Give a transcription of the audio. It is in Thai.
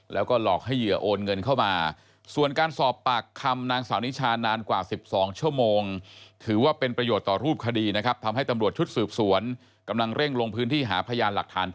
แล้วก็หลอกให้เหยื่อโอนเงินเข้ามา